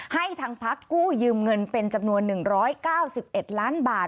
ให้ทางพักกู้ยืมเงินเป็นจำนวน๑๙๑ล้านบาท